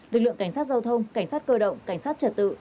lực lượng cảnh sát giao thông cảnh sát cơ động cảnh sát trật tự